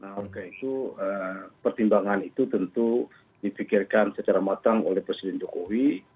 tapi saya pikir pertimbangan itu tentu dipikirkan secara matang oleh presiden jokowi